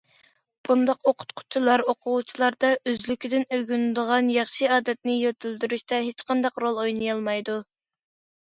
بۇنداق ئوقۇتقۇچىلار ئوقۇغۇچىلاردا ئۆزلۈكىدىن ئۆگىنىدىغان ياخشى ئادەتنى يېتىلدۈرۈشتە ھېچقانداق رول ئوينىيالمايدۇ.